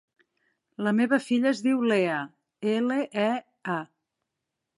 La meva filla es diu Lea: ela, e, a.